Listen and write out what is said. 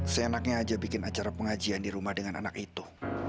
seenaknya aja bikin acara pengajian di rumah dengan anak itu